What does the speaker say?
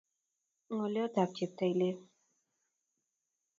Ng'olyot ab cheptalel